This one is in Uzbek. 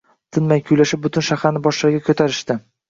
Tinmay kuylashib, butun shaharni boshlariga ko`tarishdi